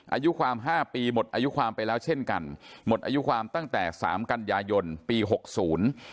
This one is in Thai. อายุความห้าปีหมดอายุความไปแล้วเช่นกันหมดอายุความตั้งแต่สามกันยายนปีหกศูนย์